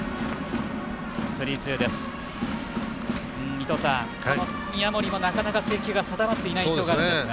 伊東さん、宮森もなかなか制球が定まっていない印象があるんですが。